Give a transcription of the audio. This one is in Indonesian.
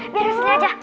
biar pres sly ajah